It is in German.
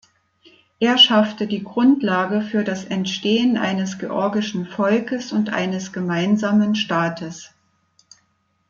Er schaffte die Grundlage für das Entstehen eines georgischen Volkes und eines gemeinsamen Staates.